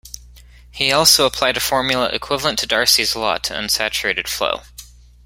He also applied a formula equivalent to Darcy's law to unsaturated flow.